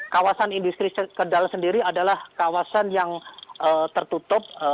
kawasan industri kendal sendiri adalah kawasan yang tertutup